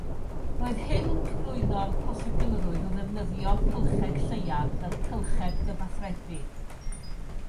Roedd hyn yn cyflwyno'r posibilrwydd o ddefnyddio cylched Lleuad fel cylched gyfathrebu.